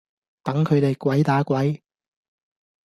等佢地鬼打鬼